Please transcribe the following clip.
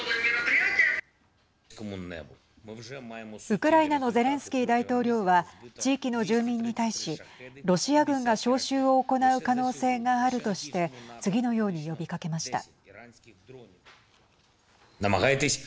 ウクライナのゼレンスキー大統領は地域の住民に対しロシア軍が招集を行う可能性があるとして次のように呼びかけました。